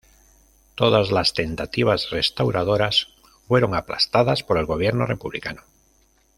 Todas las tentativas restauradoras fueron aplastadas por el gobierno republicano.